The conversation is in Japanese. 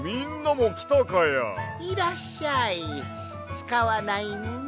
つかわないもの